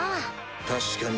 確かに。